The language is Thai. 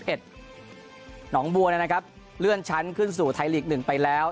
หนองบัวนะครับเลื่อนชั้นขึ้นสู่ไทยลีก๑ไปแล้ว